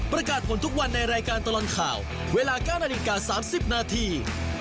ประกาศผลทุกวันในรายการตลอดข่าวเวลา๙นาฬิกา๓๐นาที